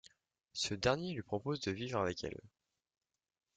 Ce dernier lui propose de vivre avec elle.